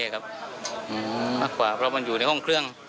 นะครับมาควบราบอยู่แล้วเครื่อง